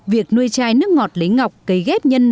việc nuôi chai nước ngọt lấy ngọc cấy ghép nhân